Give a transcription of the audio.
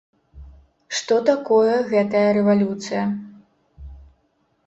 Што такое гэтая рэвалюцыя?